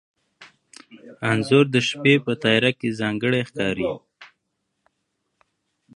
انځور د شپې په تیاره کې ځانګړی ښکاري.